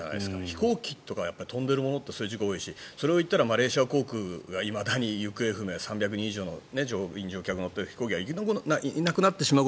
飛行機とかはやっぱり飛んでるものってそういう事故多いしそれを言ったらマレーシア航空がいまだ行方不明３００人以上の乗員・乗客が乗った飛行機がいなくなってしまう。